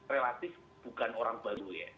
relatif bukan orang baru ya